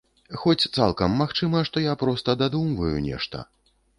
Хоць цалкам магчыма, што я проста дадумваю нешта.